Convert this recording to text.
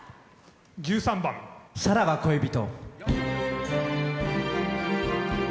１３番「さらば恋人」。